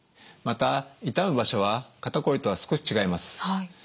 また痛む場所は肩こりとは少し違います。